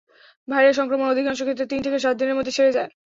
Virus সংক্রমণ অধিকাংশ ক্ষেত্রে তিন থেকে সাত দিনের মধ্যে সেরে যায়।